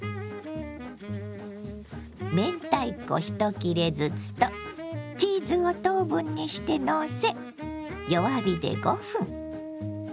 明太子１切れずつとチーズを等分にしてのせ弱火で５分。